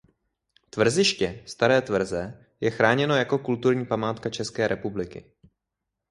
Tvrziště staré tvrze je chráněno jako kulturní památka České republiky.